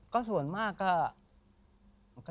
ก็ส่วนมากก็